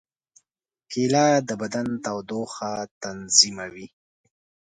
کېله د بدن تودوخه تنظیموي.